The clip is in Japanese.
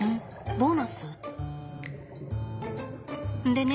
ボーナス？でね